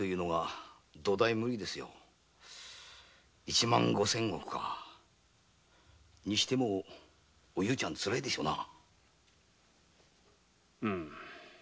一万五千石かにしてもおゆうちゃんつらいでしょうな。